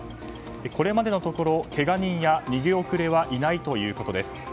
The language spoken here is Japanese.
これまでのところけが人や逃げ遅れはいないということです。